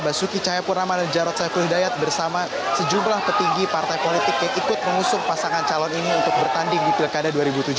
basuki cahayapurnama dan jarod saiful hidayat bersama sejumlah petinggi partai politik yang ikut mengusung pasangan calon ini untuk bertanding di pilkada dua ribu tujuh belas